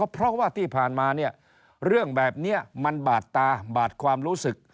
เพราะว่าที่ผ่านมาเนี่ยเรื่องแบบนี้มันบาดตาบาดความรู้สึก